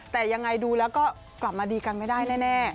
แต่ยังไงดูแล้วก็กลับมาดีกันไม่ได้แน่